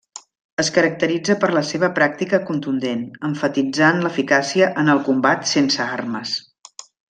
Es caracteritza per la seva pràctica contundent, emfatitzant l'eficàcia en el combat sense armes.